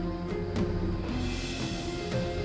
keputusan ku sudah bulat